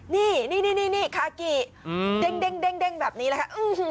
นี่นี่นี่นี่นี่คากี้เด้งแบบนี้แหละคะ